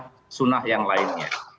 dan untuk melakukan tunah yang lainnya